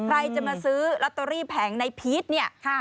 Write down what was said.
ใครจะมาซื้อลอตเตอรี่แผงในพีชเนี่ย